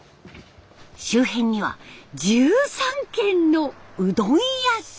周辺には１３軒のうどん屋さん。